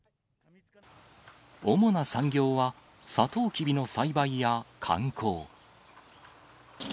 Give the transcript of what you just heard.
主な産業は、サトウキビの栽培や観光。